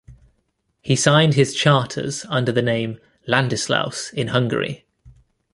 He signed his charters under the name Ladislaus in Hungary.